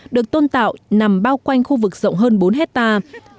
được tôn tạo nằm bao quanh khu vực rộng hơn bốn hectare